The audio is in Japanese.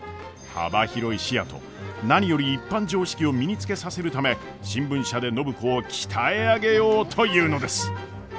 幅広い視野と何より一般常識を身につけさせるため新聞社で暢子を鍛え上げようというのです。